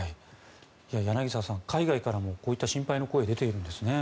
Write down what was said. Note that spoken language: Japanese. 柳澤さん、海外からもこういった心配の声が出ているんですね。